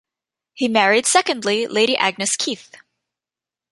He married secondly Lady Agnes Keith.